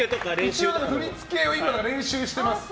一応、振り付けを今から練習してます。